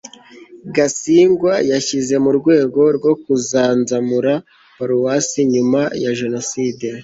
gasigwa yagize mu rwego rwo kuzanzamura paruwasi nyuma ya jenoside